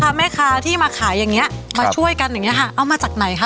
เอามาจากไหนเป็นใครคะ